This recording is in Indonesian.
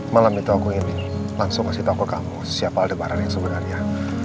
malam itu aku ini langsung ngasih tau ke kamu siapa lebaran yang sebenarnya